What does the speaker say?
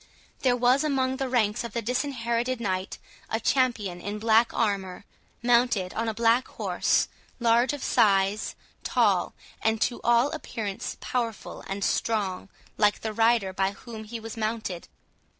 There was among the ranks of the Disinherited Knight a champion in black armour, mounted on a black horse, large of size, tall, and to all appearance powerful and strong, like the rider by whom he was mounted.